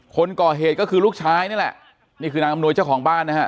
คนก่อเหตุก็คือลูกชายนี่แหละนี่คือนางอำนวยเจ้าของบ้านนะฮะ